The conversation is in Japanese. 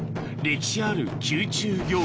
歴史ある宮中行事